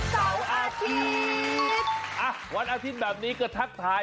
เสาร์อาทิตย์อ่ะวันอาทิตย์แบบนี้ก็ทักทาย